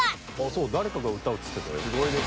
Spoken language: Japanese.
そう誰かが歌うって言ってたよ。